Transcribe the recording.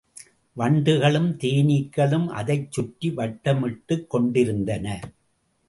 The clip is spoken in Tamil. வண்டுகளும் தேனீக்களும் அதைச் சுற்றி வட்டமிட்டுக் கொண்டிருந்தன.